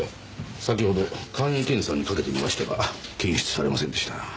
先ほど簡易検査にかけてみましたが検出されませんでした。